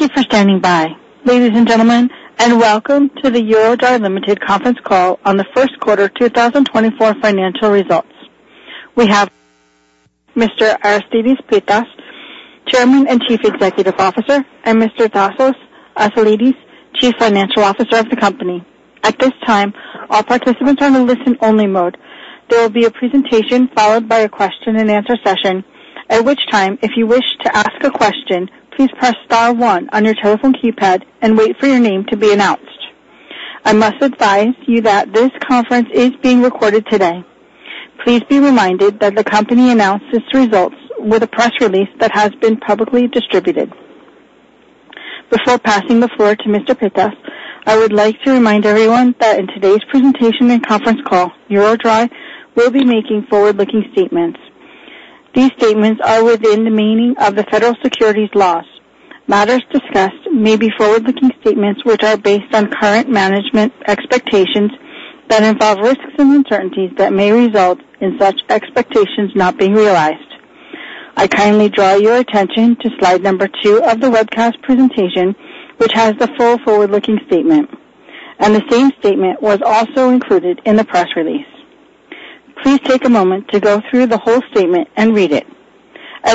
Thank you for standing by, ladies and gentlemen, and welcome to the EuroDry Ltd. conference call on the first quarter 2024 financial results. We have Mr. Aristides Pittas, Chairman and Chief Executive Officer, and Mr. Tasos Aslidis, Chief Financial Officer of the company. At this time, all participants are in listen-only mode. There will be a presentation followed by a question-and-answer session, at which time, if you wish to ask a question, please press star one on your telephone keypad and wait for your name to be announced. I must advise you that this conference is being recorded today. Please be reminded that the company announced its results with a press release that has been publicly distributed. Before passing the floor to Mr. Pittas, I would like to remind everyone that in today's presentation and conference call, EuroDry will be making forward-looking statements. These statements are within the meaning of the federal securities laws. Matters discussed may be forward-looking statements, which are based on current management expectations that involve risks and uncertainties that may result in such expectations not being realized. I kindly draw your attention to slide number two of the webcast presentation, which has the full forward-looking statement, and the same statement was also included in the press release. Please take a moment to go through the whole statement and read it.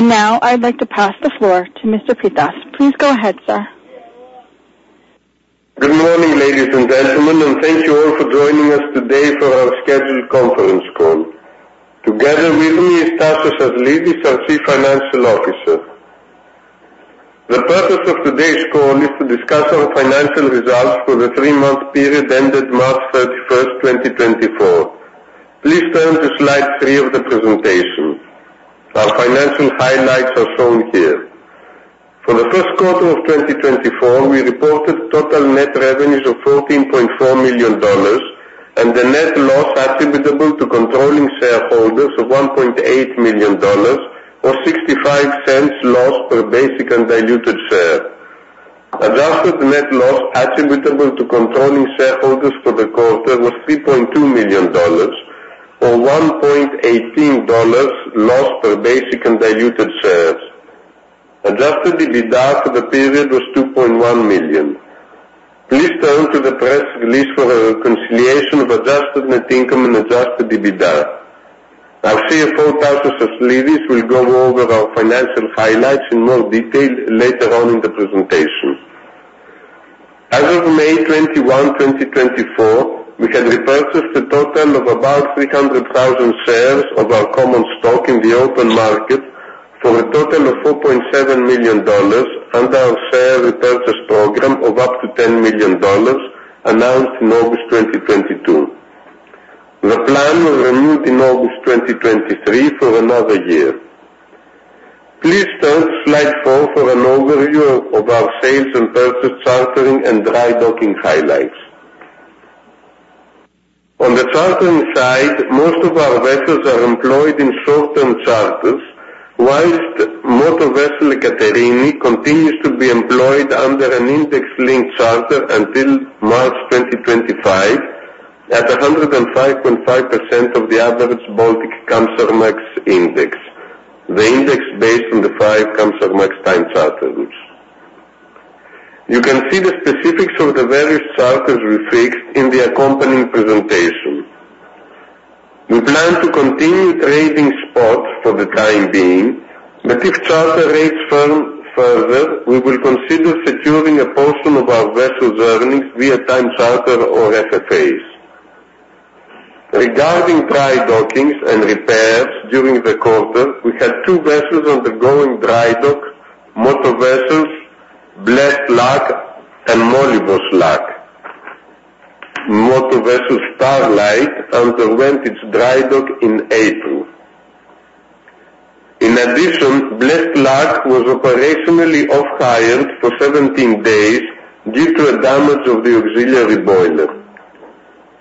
Now I'd like to pass the floor to Mr. Pittas. Please go ahead, sir. Good morning, ladies and gentlemen, and thank you all for joining us today for our scheduled conference call. Together with me is Tasos Aslidis, our Chief Financial Officer. The purpose of today's call is to discuss our financial results for the three-month period ended March 31, 2024. Please turn to slide three of the presentation. Our financial highlights are shown here. For the first quarter of 2024, we reported total net revenues of $14.4 million and a net loss attributable to controlling shareholders of $1.8 million, or $0.65 loss per basic and diluted share. Adjusted net loss attributable to controlling shareholders for the quarter was $3.2 million or $1.18 loss per basic and diluted shares. Adjusted EBITDA for the period was $2.1 million. Please turn to the press release for a reconciliation of adjusted net income and Adjusted EBITDA. Our CFO, Tasos Aslidis, will go over our financial highlights in more detail later on in the presentation. As of May 21, 2024, we have repurchased a total of about 300,000 shares of our common stock in the open market for a total of $4.7 million under our share repurchase program of up to $10 million announced in August 2022. The plan was renewed in August 2023 for another year. Please turn to slide four for an overview of our sales and purchase chartering and dry docking highlights. On the chartering side, most of our vessels are employed in short-term charters, while motor vessel Ekaterini continues to be employed under an index-linked charter until March 2025 at 105.5% of the average Baltic Kamsarmax Index, the index based on the five Kamsarmax time charter routes. You can see the specifics of the various charters we fixed in the accompanying presentation. We plan to continue trading spots for the time being, but if charter rates firm further, we will consider securing a portion of our vessels' earnings via time charter or FFAs. Regarding dry dockings and repairs during the quarter, we had two vessels undergoing dry dock, motor vessel Blessed Luck and motor vessel Molyvos Luck. Motor vessel Starlight underwent its dry dock in April. In addition, Blessed Luck was operationally off-hired for 17 days due to a damage of the auxiliary boiler.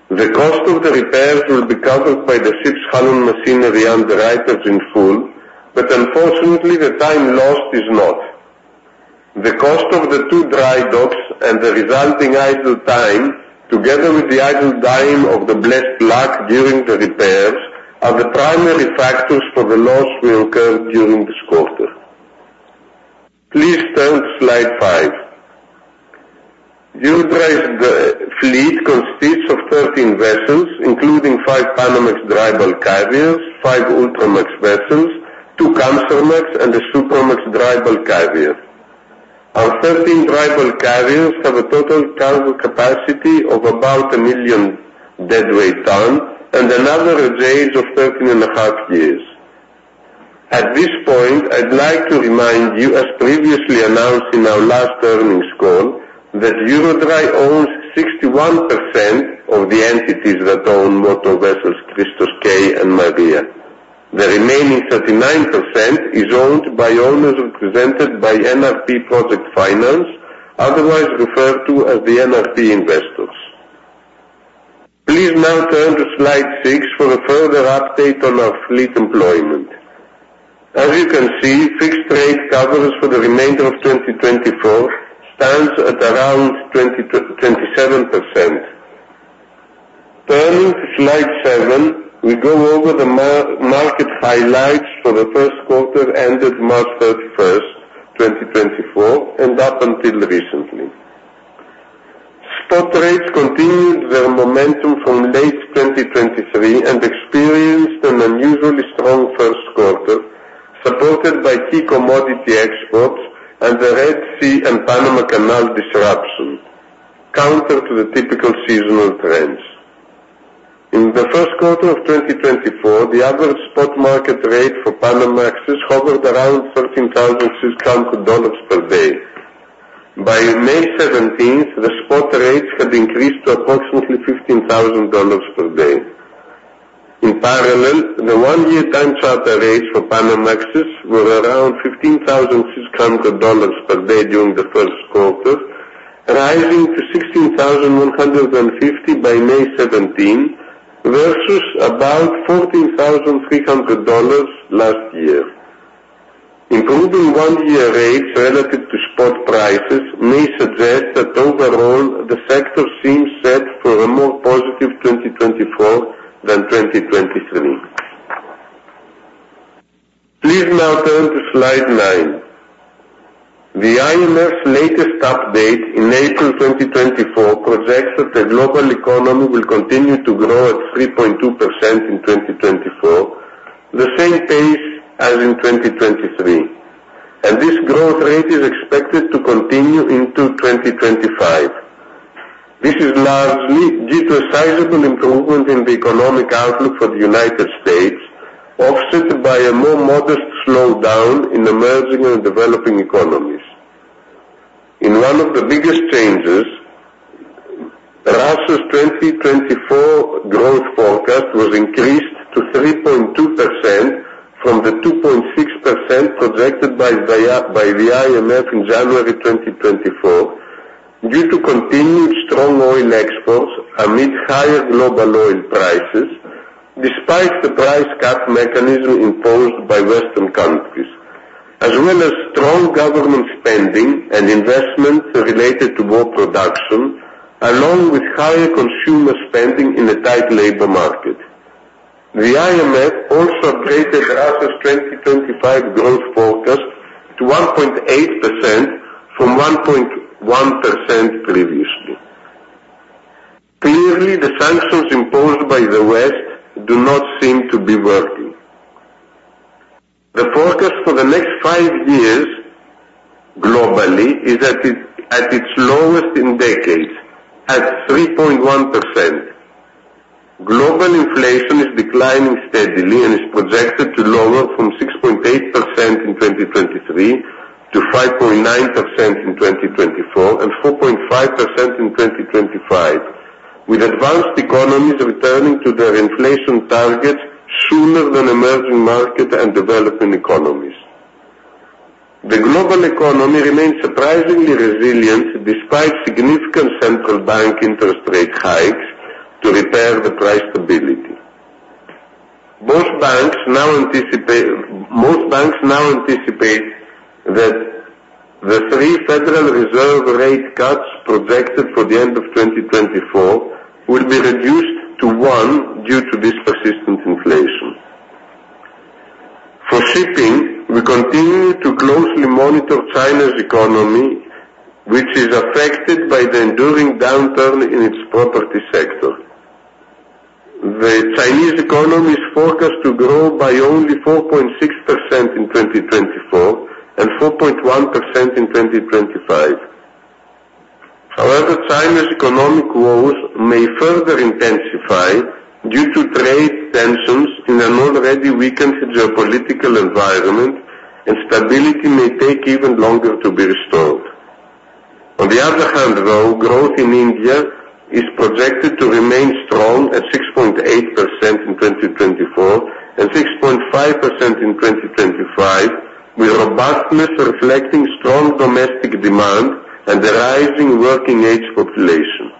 The cost of the repairs will be covered by the ship's hull and machinery underwriters in full, but unfortunately, the time lost is not. The cost of the two dry docks and the resulting idle time, together with the idle time of the Blessed Luck during the repairs, are the primary factors for the loss we incurred during this quarter. Please turn to slide five. EuroDry's fleet consists of 13 vessels, including five Panamax dry bulk carriers, five Ultramax vessels, two Kamsarmax, and a Supramax dry bulk carrier. Our 13 dry bulk carriers have a total cargo capacity of about 1 million deadweight tons and an average age of 13.5 years. At this point, I'd like to remind you, as previously announced in our last earnings call, that EuroDry owns 61% of the entities that own motor vessels Christos K. and Maria. The remaining 39% is owned by owners represented by NRP Project Finance, otherwise referred to as the NRP investors. Please now turn to slide six for a further update on our fleet employment. As you can see, fixed rate covers for the remainder of 2024 stands at around 27%.... Turning to slide seven, we go over the market highlights for the first quarter, ended March 31st, 2024, and up until recently. Spot rates continued their momentum from late 2023 and experienced an unusually strong first quarter, supported by key commodity exports and the Red Sea and Panama Canal disruption, counter to the typical seasonal trends. In the first quarter of 2024, the average spot market rate for Panamax hovered around $13,600 per day. By May 17, the spot rates had increased to approximately $15,000 per day. In parallel, the one-year time charter rates for Panamax were around $15,600 per day during the first quarter, rising to $16,150 by May 17, versus about $14,300 last year. Improving one-year rates relative to spot prices may suggest that overall, the sector seems set for a more positive 2024 than 2023. Please now turn to slide nine. The IMF's latest update in April 2024 projects that the global economy will continue to grow at 3.2% in 2024, the same pace as in 2023, and this growth rate is expected to continue into 2025. This is largely due to a sizable improvement in the economic outlook for the United States, offset by a more modest slowdown in emerging and developing economies. In one of the biggest changes, Russia's 2024 growth forecast was increased to 3.2% from the 2.6% projected by the IMF in January 2024, due to continued strong oil exports amid higher global oil prices, despite the price cap mechanism imposed by Western countries, as well as strong government spending and investments related to war production, along with higher consumer spending in a tight labor market. The IMF also upgraded Russia's 2025 growth forecast to 1.8% from 1.1% previously. Clearly, the sanctions imposed by the West do not seem to be working. The forecast for the next five years globally is at its lowest in decades, at 3.1%. Global inflation is declining steadily and is projected to lower from 6.8% in 2023 to 5.9% in 2024, and 4.5% in 2025, with advanced economies returning to their inflation targets sooner than emerging market and developing economies. The global economy remains surprisingly resilient, despite significant central bank interest rate hikes to repair the price stability. Most banks now anticipate that the three Federal Reserve rate cuts projected for the end of 2024 will be reduced to one due to this persistent inflation. For shipping, we continue to closely monitor China's economy, which is affected by the enduring downturn in its property sector. The Chinese economy is forecast to grow by only 4.6% in 2024 and 4.1% in 2025. However, China's economic woes may further intensify due to trade tensions in an already weakened geopolitical environment, and stability may take even longer to be restored. On the other hand, though, growth in India is projected to remain strong at 6.8% in 2024 and 6.5% in 2025, with robustness reflecting strong domestic demand and the rising working age population.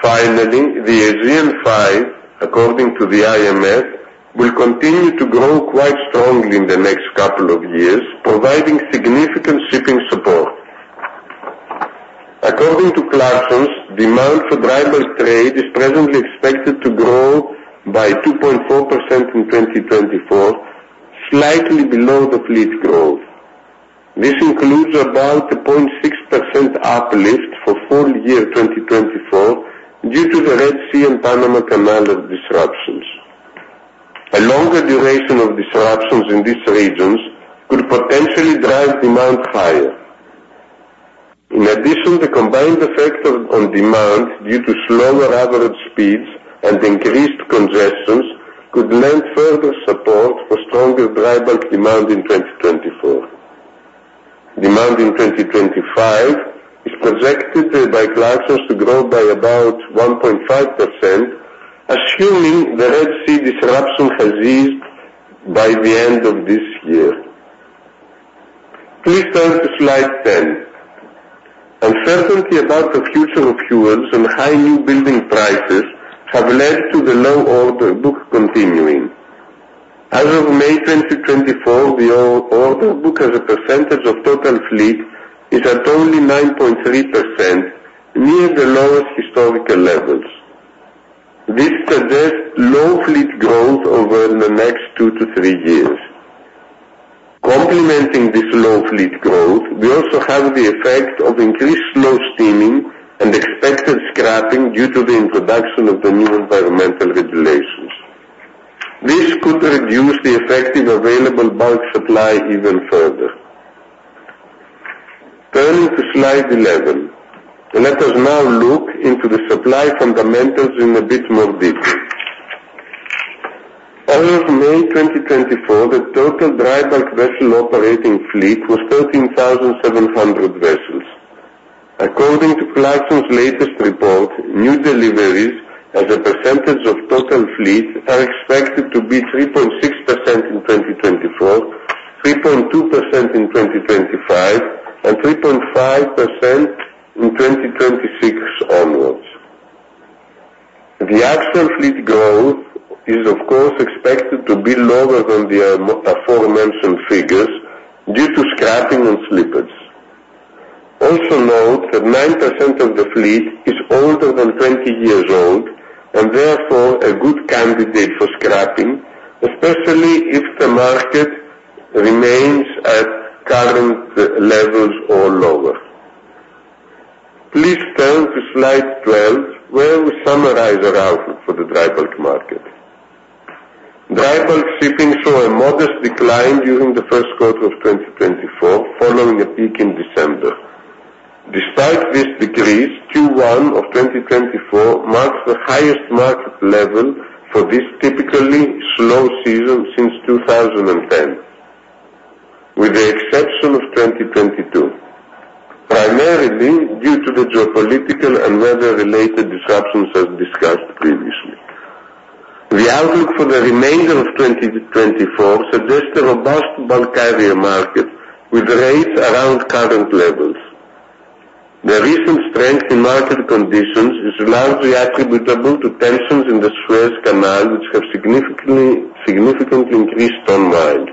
Finally, the ASEAN Five, according to the IMF, will continue to grow quite strongly in the next couple of years, providing significant shipping support. According to Clarksons, demand for dry bulk trade is presently expected to grow by 2.4% in 2024, slightly below the fleet growth. This includes about a 0.6% uplift for full year 2024 due to the Red Sea and Panama Canal disruptions. A longer duration of disruptions in these regions could potentially drive demand higher. In addition, the combined effect on demand, due to slower average speeds and increased congestion, could lend further support for stronger dry bulk demand in 2024. Demand in 2025 is projected by Clarksons to grow by about 1.5%, assuming the Red Sea disruption has eased by the end of this year. Please turn to slide 10. Uncertainty about the future of fuels and high new building prices have led to the low order book continuing. As of May 2024, the order book as a percentage of total fleet is at only 9.3%, near the lowest historical levels. This suggests low fleet growth over the next two to three years. Complementing this low fleet growth, we also have the effect of increased slow steaming and expected scrapping due to the introduction of the new environmental regulations. This could reduce the effective available bulk supply even further. Turning to slide 11, let us now look into the supply fundamentals in a bit more detail. As of May 2024, the total dry bulk vessel operating fleet was 13,700 vessels. According to Clarksons' latest report, new deliveries as a percentage of total fleet are expected to be 3.6% in 2024, 3.2% in 2025, and 3.5% in 2026 onwards. The actual fleet growth is, of course, expected to be lower than the aforementioned figures due to scrapping and slippage. Also note that 9% of the fleet is older than 20 years old and therefore a good candidate for scrapping, especially if the market remains at current levels or lower. Please turn to slide 12, where we summarize our outlook for the dry bulk market. Dry bulk shipping saw a modest decline during the first quarter of 2024, following a peak in December. Despite this decrease, Q1 of 2024 marks the highest market level for this typically slow season since 2010, with the exception of 2022, primarily due to the geopolitical and weather-related disruptions, as discussed previously. The outlook for the remainder of 2024 suggests a robust bulk carrier market with rates around current levels. The recent strength in market conditions is largely attributable to tensions in the Suez Canal, which have significantly increased ton miles.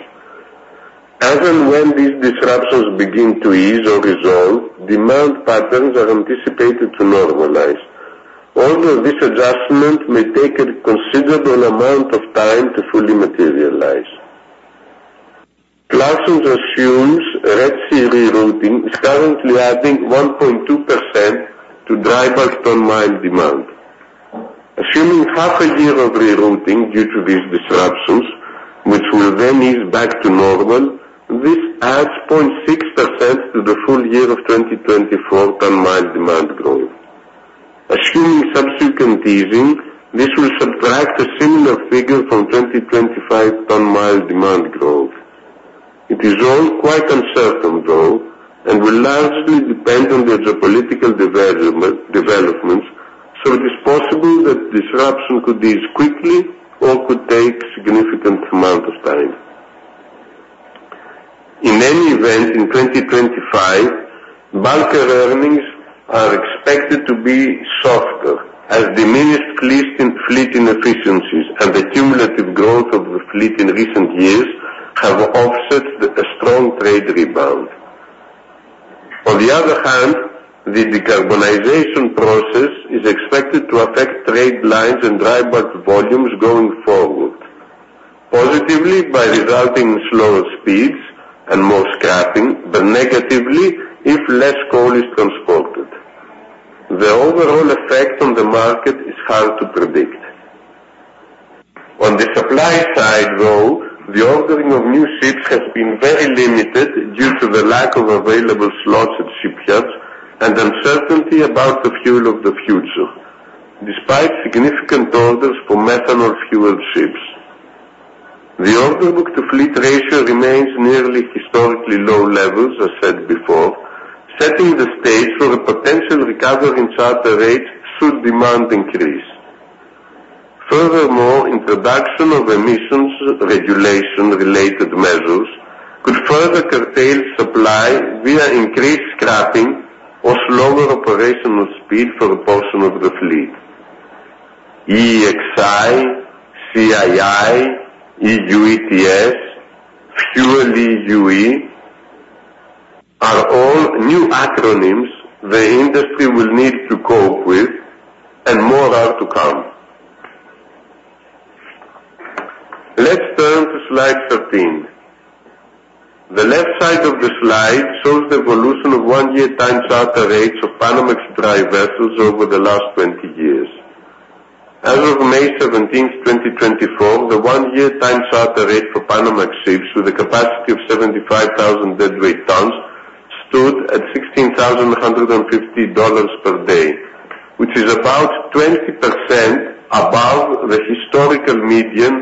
As and when these disruptions begin to ease or resolve, demand patterns are anticipated to normalize, although this adjustment may take a considerable amount of time to fully materialize. Clarksons assumes Red Sea rerouting is currently adding 1.2% to dry bulk ton mile demand. Assuming half a year of rerouting due to these disruptions, which will then ease back to normal, this adds 0.6% to the full year of 2024 ton mile demand growth. Assuming subsequent easing, this will subtract a similar figure from 2025 ton mile demand growth. It is all quite uncertain, though, and will largely depend on the geopolitical developments, so it is possible that disruption could ease quickly or could take significant amount of time. In any event, in 2025, bunker earnings are expected to be softer as diminished fleet, fleet inefficiencies and the cumulative growth of the fleet in recent years have offset the strong trade rebound. On the other hand, the decarbonization process is expected to affect trade lines and dry bulk volumes going forward, positively by resulting in slower speeds and more scrapping, but negatively if less coal is transported. The overall effect on the market is hard to predict. On the supply side, though, the ordering of new ships has been very limited due to the lack of available slots at shipyards and uncertainty about the fuel of the future, despite significant orders for methanol-fueled ships. The order book to fleet ratio remains nearly historically low levels, as said before, setting the stage for a potential recovery in charter rates should demand increase. Furthermore, introduction of emissions regulation-related measures could further curtail supply via increased scrapping or slower operational speed for a portion of the fleet. EEXI, CII, EU ETS, FuelEU are all new acronyms the industry will need to cope with, and more are to come. Let's turn to slide 13. The left side of the slide shows the evolution of one-year time charter rates of Panamax dry vessels over the last 20 years. As of May 17, 2024, the one-year time charter rate for Panamax ships with a capacity of 75,000 deadweight tons stood at $16,150 per day, which is about 20% above the historical median of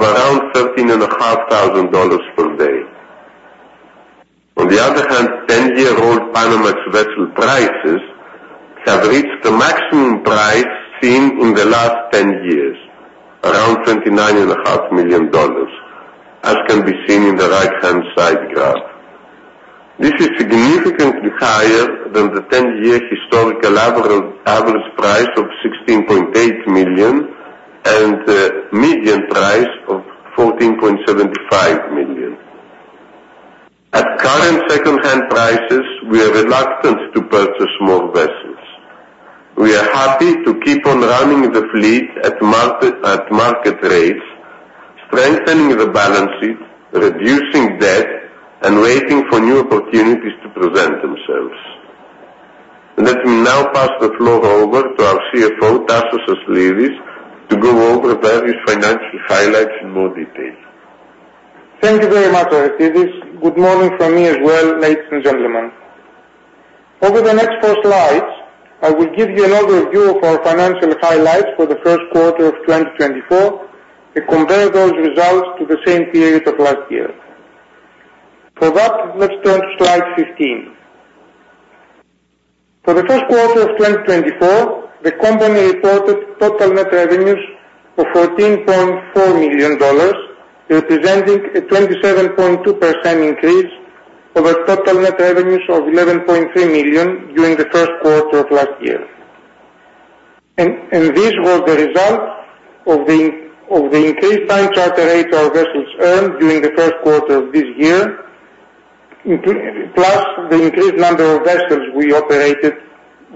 around $13,500 per day. On the other hand, 10-year-old Panamax vessel prices have reached the maximum price seen in the last 10 years, around $29.5 million, as can be seen in the right-hand side graph. This is significantly higher than the 10-year historical average, average price of $16.8 million and, median price of $14.75 million. At current secondhand prices, we are reluctant to purchase more vessels. We are happy to keep on running the fleet at market rates, strengthening the balance sheet, reducing debt and waiting for new opportunities to present themselves. Let me now pass the floor over to our CFO, Tasos Aslidis, to go over the various financial highlights in more detail. Thank you very much, Aristides. Good morning from me as well, ladies and gentlemen. Over the next four slides, I will give you an overview of our financial highlights for the first quarter of 2024, and compare those results to the same period of last year. For that, let's turn to slide 15. For the first quarter of 2024, the company reported total net revenues of $14.4 million, representing a 27.2% increase over total net revenues of $11.3 million during the first quarter of last year. This was the result of the increased time charter rate our vessels earned during the first quarter of this year, plus the increased number of vessels we operated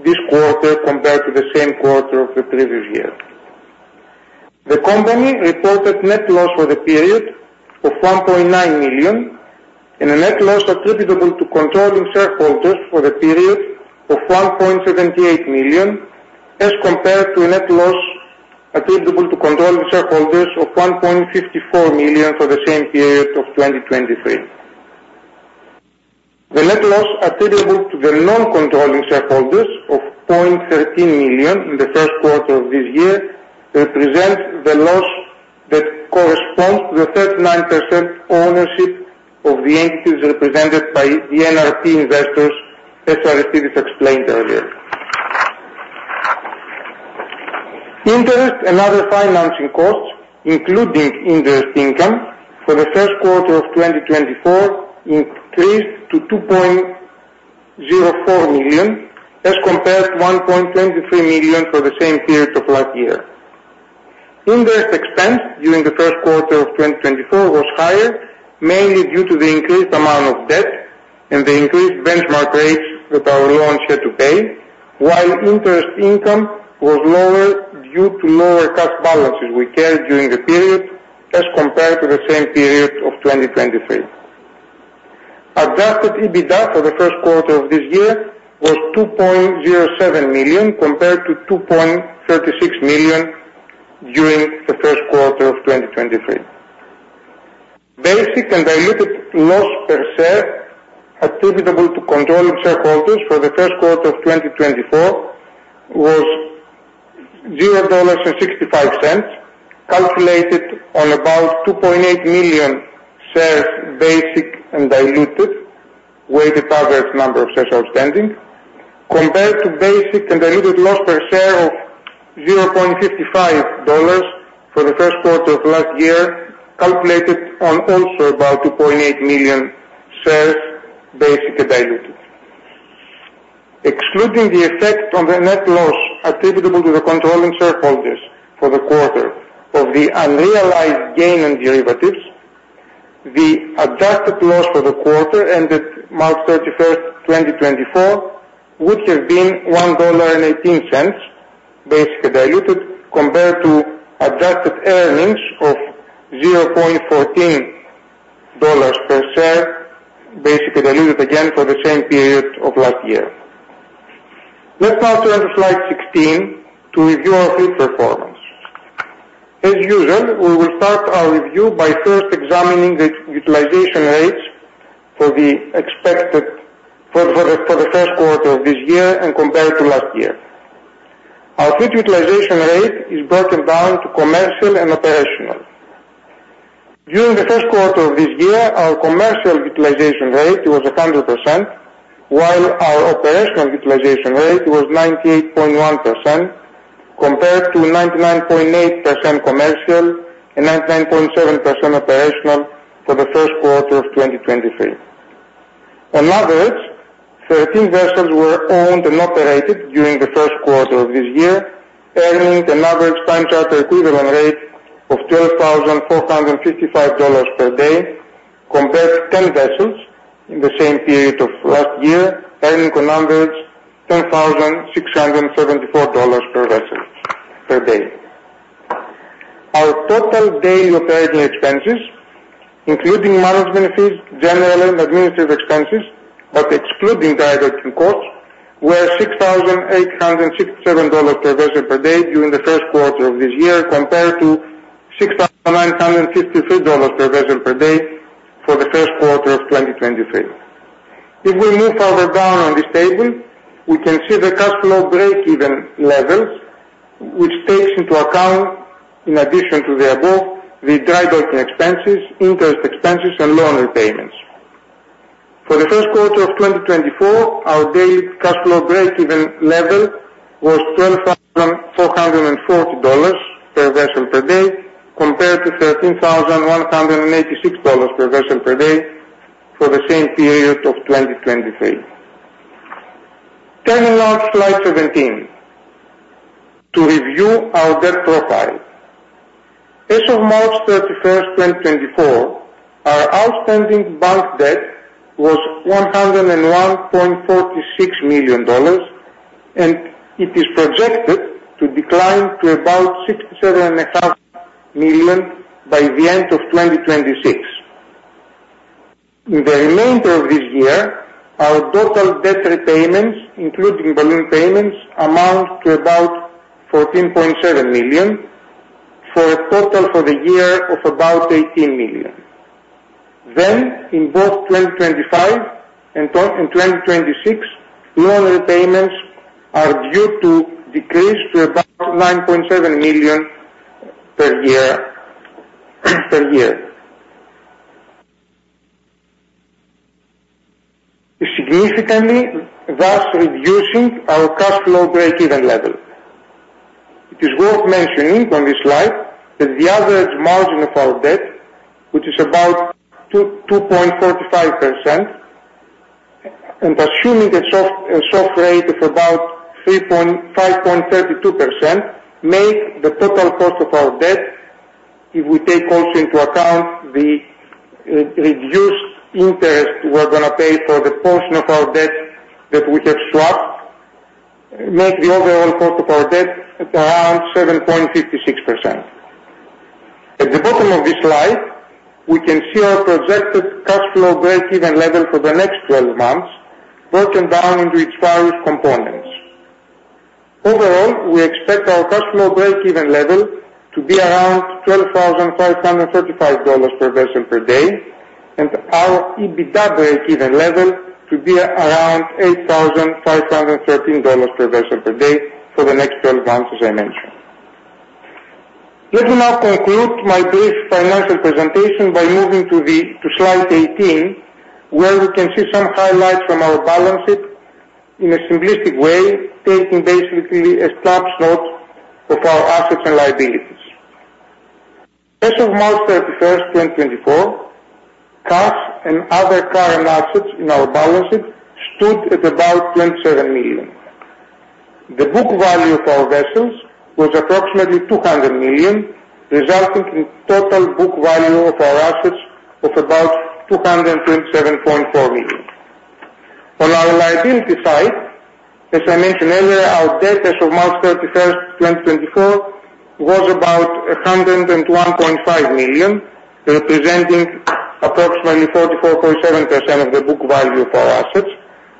this quarter compared to the same quarter of the previous year. The company reported net loss for the period of $1.9 million and a net loss attributable to controlling shareholders for the period of $1.78 million, as compared to a net loss attributable to controlling shareholders of $1.54 million for the same period of 2023. The net loss attributable to the non-controlling shareholders of $0.13 million in the first quarter of this year represents the loss that corresponds to the 39% ownership of the entities represented by the NRP investors, as Aristides explained earlier. Interest and other financing costs, including interest income, for the first quarter of 2024 increased to $2.04 million, as compared to $1.23 million for the same period of last year. Interest expense during the first quarter of 2024 was higher, mainly due to the increased amount of debt and the increased benchmark rates that our loans had to pay, while interest income was lower due to lower cash balances we carried during the period, as compared to the same period of 2023. Adjusted EBITDA for the first quarter of this year was $2.07 million, compared to $2.36 million during the first quarter of 2023. Basic and diluted loss per share attributable to controlling shareholders for the first quarter of 2024 was $0.65, calculated on about 2.8 million shares, basic and diluted, weighted average number of shares outstanding, compared to basic and diluted loss per share of $0.55 for the first quarter of last year, calculated on also about 2.8 million shares, basic and diluted. Excluding the effect on the net loss attributable to the controlling shareholders for the quarter of the unrealized gain on derivatives, the adjusted loss for the quarter ended March 31st, 2024, would have been $1.18, basic and diluted, compared to adjusted earnings of $0.14 per share, basic and diluted again, for the same period of last year. Let's now turn to slide 16 to review our fleet performance. As usual, we will start our review by first examining the utilization rates for the first quarter of this year and compared to last year. Our fleet utilization rate is broken down to commercial and operational. During the first quarter of this year, our commercial utilization rate was 100%, while our operational utilization rate was 98.1%, compared to 99.8% commercial and 99.7% operational for the first quarter of 2023. On average, 13 vessels were owned and operated during the first quarter of this year, earning an average time charter equivalent rate of $12,455 per day, compared to 10 vessels in the same period of last year, earning on average $10,674 per vessel, per day. Our total daily operating expenses, including management fees, general and administrative expenses, but excluding dry docking costs, were $6,867 per vessel per day during the first quarter of this year, compared to $6,953 per vessel per day for the first quarter of 2023. If we move further down on this table, we can see the Cash Flow Breakeven levels, which takes into account, in addition to the above, the dry docking expenses, interest expenses and loan repayments. For the first quarter of 2024, our daily Cash Flow Breakeven level was $12,440 per vessel per day, compared to $13,186 per vessel per day for the same period of 2023. Turning now to slide 17, to review our debt profile. As of March 31st, 2024, our outstanding bank debt was $101.46 million, and it is projected to decline to about $67.5 million by the end of 2026. In the remainder of this year, our total debt repayments, including balloon payments, amount to about $14.7 million, for a total for the year of about $18 million. Then, in both 2025 and 2026, loan repayments are due to decrease to about $9.7 million per year, per year. Significantly, thus reducing our Cash Flow Breakeven level. It is worth mentioning on this slide, that the average margin of our debt, which is about 2.45%, and assuming a swap rate of about 3.532%, make the total cost of our debt, if we take also into account the reduced interest we're gonna pay for the portion of our debt that we have swapped, make the overall cost of our debt at around 7.56%. At the bottom of this slide, we can see our projected Cash Flow Breakeven level for the next 12 months, broken down into its various components. Overall, we expect our cash flow breakeven level to be around $12,535 per vessel per day, and our EBITDA breakeven level to be around $8,513 per vessel per day for the next 12 months, as I mentioned. Let me now conclude my brief financial presentation by moving to slide 18, where we can see some highlights from our balance sheet in a simplistic way, taking basically a snapshot of our assets and liabilities. As of March 31st, 2024, cash and other current assets in our balance sheet stood at about $27 million. The book value of our vessels was approximately $200 million, resulting in total book value of our assets of about $227.4 million. On our liability side, as I mentioned earlier, our debt as of March 31st, 2024, was about $101.5 million, representing approximately 44.7% of the book value of our assets,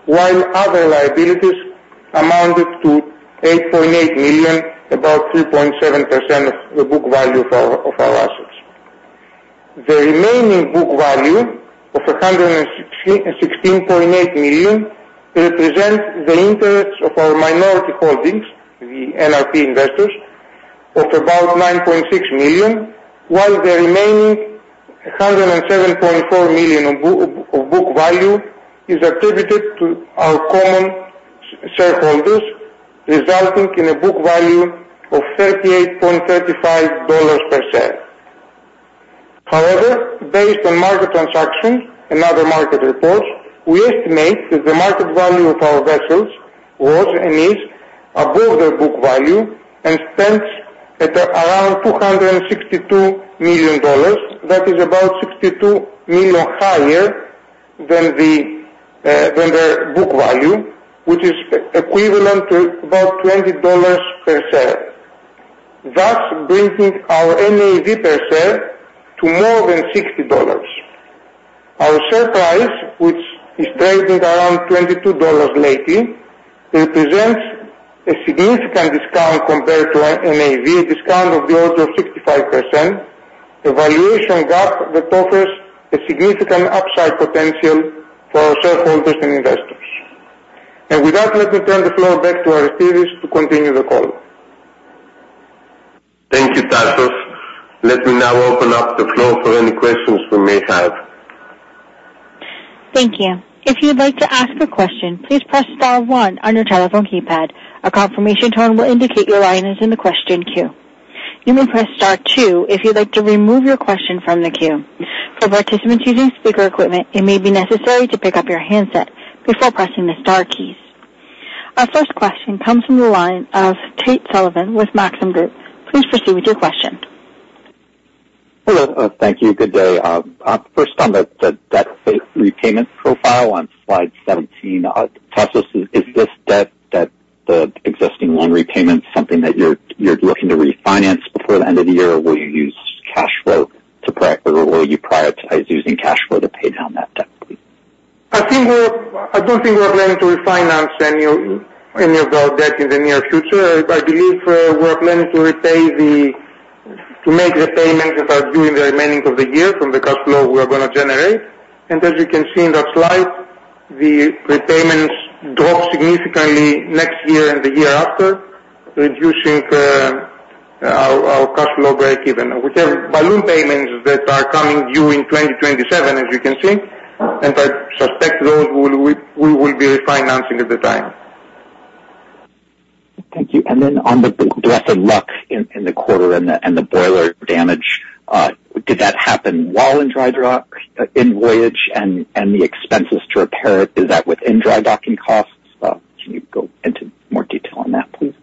while other liabilities amounted to $8.8 million, about 3.7% of the book value of our assets. The remaining book value of $116.8 million represents the interests of our minority holdings, the NRP investors, of about $9.6 million, while the remaining $107.4 million of book value is attributed to our common shareholders, resulting in a book value of $38.35 per share. However, based on market transactions and other market reports, we estimate that the market value of our vessels was and is above their book value and stands at around $262 million. That is about $62 million higher than their book value, which is equivalent to about $20 per share, thus bringing our NAV per share to more than $60. Our share price, which is trading around $22 lately, represents a significant discount compared to our NAV, a discount of the order of 65%, a valuation gap that offers a significant upside potential for our shareholders and investors. And with that, let me turn the floor back to Aristides to continue the call. Thank you, Tasos. Let me now open up the floor for any questions you may have. Thank you. If you'd like to ask a question, please press star one on your telephone keypad. A confirmation tone will indicate your line is in the question queue. You may press star two if you'd like to remove your question from the queue. For participants using speaker equipment, it may be necessary to pick up your handset before pressing the star keys. Our first question comes from the line of Tate Sullivan with Maxim Group. Please proceed with your question. Hello. Thank you. Good day. First on the debt repayment profile on slide 17. Tasos, is this debt that the existing loan repayment is something that you're looking to refinance before the end of the year, or will you use cash flow to, or will you prioritize using cash flow to pay down that debt, please? I don't think we are planning to refinance any of, any of our debt in the near future. I, I believe, we are planning to repay the, to make repayments that are due in the remaining of the year from the cash flow we are gonna generate. And as you can see in that slide, the repayments drop significantly next year and the year after, reducing,... our cash flow breakeven. We have balloon payments that are coming due in 2027, as you can see, and I suspect those we will be refinancing at the time. Thank you. And then on the Blessed Luck in the quarter and the boiler damage, did that happen while in dry dock, in voyage and the expenses to repair it, is that within dry docking costs? Can you go into more detail on that, please?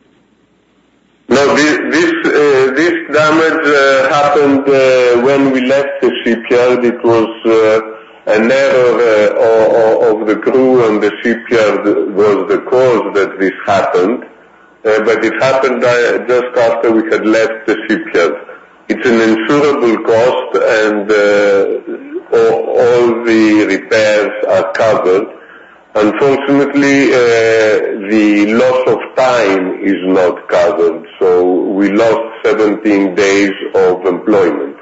No, this, this, this damage happened when we left the shipyard. It was an error of the crew on the shipyard was the cause that this happened. But it happened just after we had left the shipyard. It's an insurable cost, and all the repairs are covered. Unfortunately, the loss of time is not covered, so we lost 17 days of employment.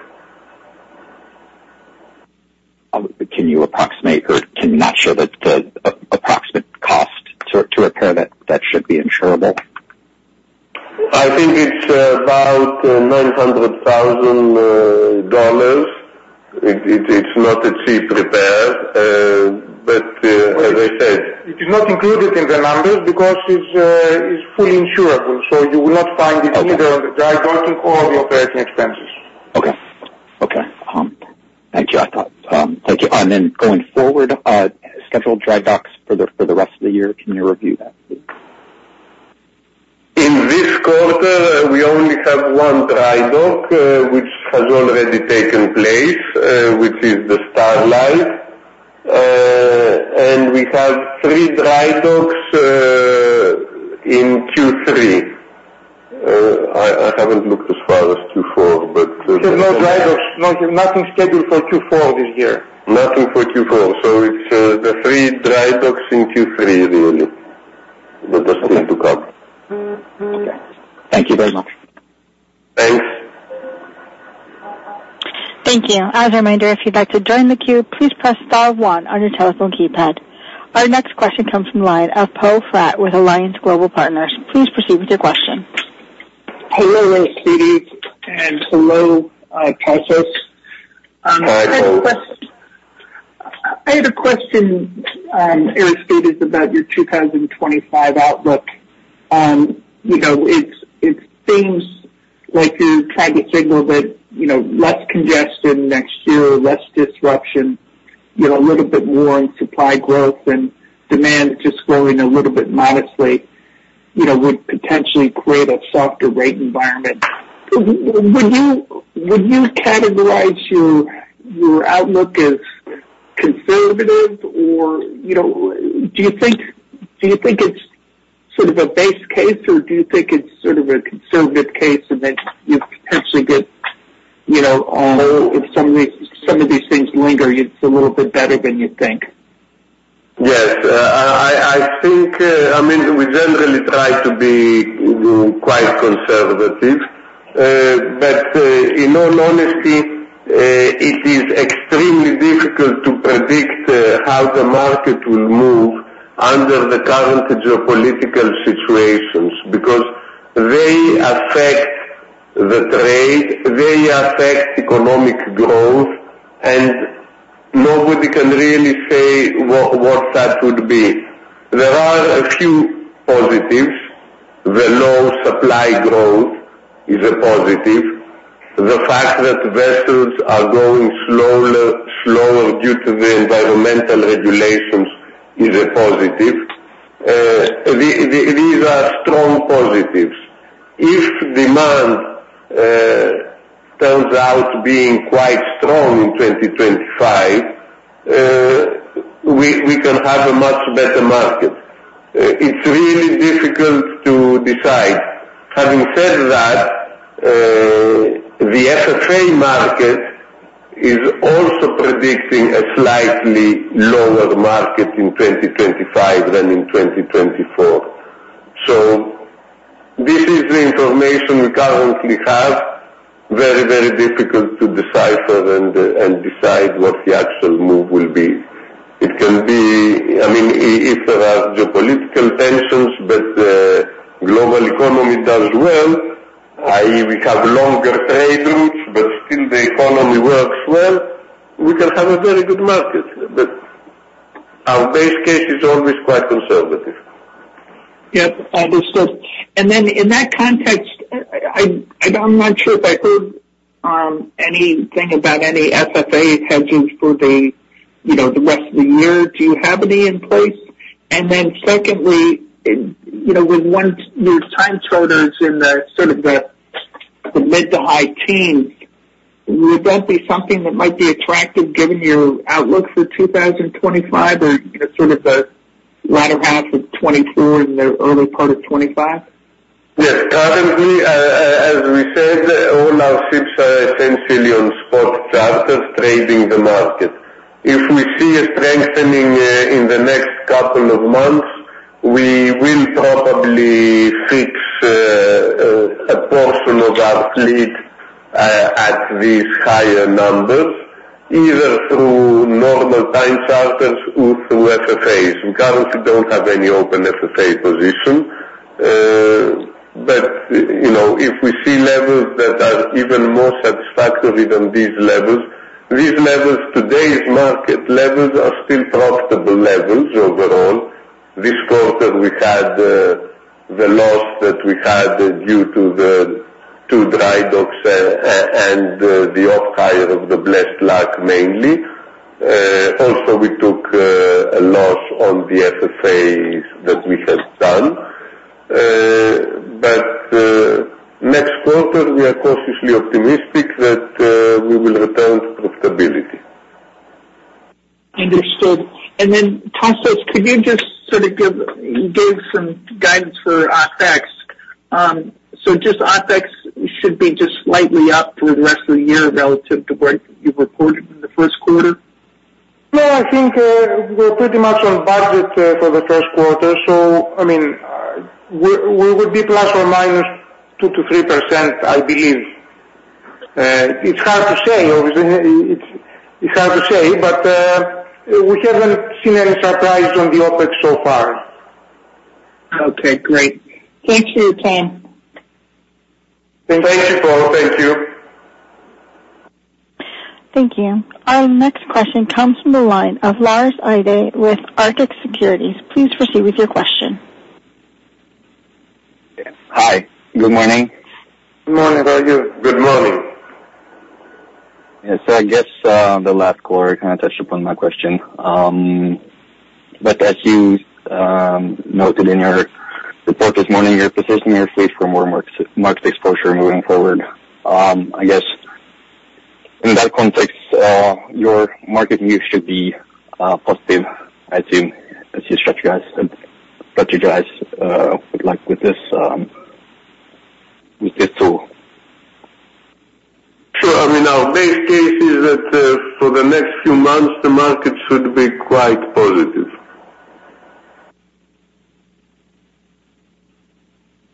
Can you approximate or can you not sure that the approximate cost to repair that should be insurable? I think it's about $900,000. It's not a cheap repair, but as I said, it is not included in the numbers because it's fully insurable, so you will not find it- Okay. either on the Dry Docking or the operating expenses. Okay. Okay, thank you. Thank you. And then going forward, scheduled dry docks for the rest of the year, can you review that, please? In this quarter, we only have one dry dock, which has already taken place, which is the Starlight. And we have three dry docks in Q3. I haven't looked as far as Q4, but- There's no dry docks, nothing scheduled for Q4 this year? Nothing for Q4. So it's the three dry docks in Q3, really. That are still to come. Okay. Thank you very much. Thanks. Thank you. As a reminder, if you'd like to join the queue, please press star one on your telephone keypad. Our next question comes from the line of Poe Fratt with Alliance Global Partners. Please proceed with your question. Hello, Aristides, and hello, Tasos. Hi, Poe. I had a question, Aristides, about your 2025 outlook. You know, it seems like you're trying to signal that, you know, less congestion next year, less disruption, you know, a little bit more in supply growth and demand just growing a little bit modestly, you know, would potentially create a softer rate environment. Would you categorize your outlook as conservative or, you know, do you think it's sort of a base case or do you think it's sort of a conservative case and that you potentially get, you know, on if some of these, some of these things linger, it's a little bit better than you think? Yes. I think, I mean, we generally try to be quite conservative. But, in all honesty, it is extremely difficult to predict how the market will move under the current geopolitical situations, because they affect the trade, they affect economic growth, and nobody can really say what that would be. There are a few positives. The low supply growth is a positive. The fact that vessels are going slower due to the environmental regulations is a positive. The, these are strong positives. If demand turns out being quite strong in 2025, we can have a much better market. It's really difficult to decide. Having said that, the FFA market is also predicting a slightly lower market in 2025 than in 2024. So this is the information we currently have, very, very difficult to decipher and decide what the actual move will be. It can be... I mean, if there are geopolitical tensions, but the global economy does well, i.e., we have longer trade routes, but still the economy works well, we can have a very good market, but our base case is always quite conservative. Yep, understood. And then in that context, I, I'm not sure if I heard anything about any FFA hedges for the, you know, the rest of the year. Do you have any in place? And then secondly, you know, with 1-year time charters in the sort of the mid- to high teens, would that be something that might be attractive given your outlook for 2025 or, you know, sort of the latter half of 2024 and the early part of 2025? Yes. Currently, as we said, all our ships are essentially on spot charters, trading the market. If we see a strengthening, in the next couple of months, we will probably fix, a portion of our fleet, at these higher numbers... either through normal time charters or through FFAs. We currently don't have any open FFA position. But, you know, if we see levels that are even more satisfactory than these levels, these levels, today's market levels are still profitable levels overall. This quarter, we had, the loss that we had due to the two dry docks, and, the off hire of the Blessed Luck, mainly. Also, we took, a loss on the FFAs that we had done. But, next quarter, we are cautiously optimistic that, we will return to profitability. Understood. And then, Tasos, could you just sort of give some guidance for OpEx? So just OpEx should be just slightly up through the rest of the year relative to what you reported in the first quarter? No, I think, we're pretty much on budget, for the first quarter. So, I mean, we, we would be ±2%-3%, I believe. It's hard to say, obviously. It, it's hard to say, but, we haven't seen any surprise on the OpEx so far. Okay, great. Thank you, again. Thank you, Poe. Thank you. Thank you. Our next question comes from the line of Lars Eide with Arctic Securities. Please proceed with your question. Hi. Good morning. Good morning. How are you? Good morning. Yes, so I guess, the last caller kind of touched upon my question. But as you noted in your report this morning, you're positioning your fleet for more market, market exposure moving forward. I guess in that context, your market view should be positive, I think, as you strategize and strategize, with like, with this, with this tool. Sure. I mean, our base case is that, for the next few months, the market should be quite positive.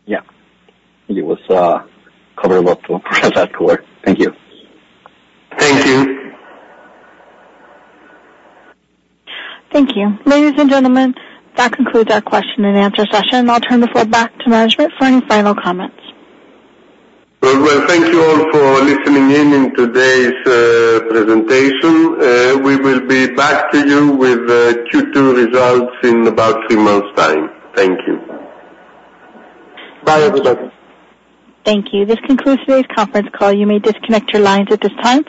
Yeah. It was covered well up to the present quarter. Thank you. Thank you. Thank you. Ladies and gentlemen, that concludes our question and answer session. I'll turn the floor back to management for any final comments. Well, well, thank you all for listening in, in today's presentation. We will be back to you with Q2 results in about three months' time. Thank you. Bye, everybody. Thank you. This concludes today's conference call. You may disconnect your lines at this time.